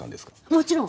もちろん。